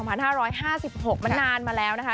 มันนานมาแล้วนะคะ